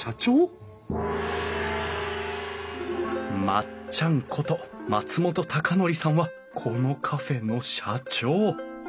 まっちゃんこと松本啓典さんはこのカフェの社長。